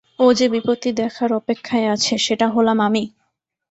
ও যে বিপত্তি দেখার অপেক্ষায় আছে সেটা হলাম আমি!